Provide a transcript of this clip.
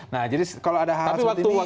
nah jadi kalau ada hal hal seperti ini